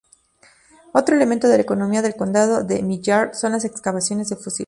Otro elemento de la economía del condado de Millard son las excavaciones de fósiles.